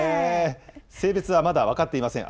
性別はまだ分かっていません。